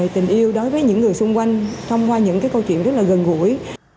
tình yêu đối với những người xung quanh thông qua những câu chuyện rất là gần gũi